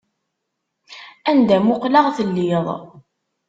Anda muqleɣ telliḍ.